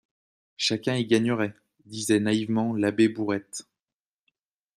-Chacun y gagnerait, disait naïvement l'abbé Bourrette.